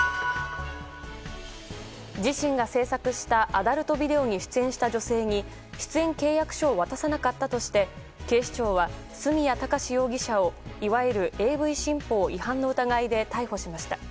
自身が制作したアダルトビデオに出演した女性に出演契約書を渡さなかったとして警視庁は角谷貴史容疑者をいわゆるＡＶ新法違反の疑いで逮捕しました。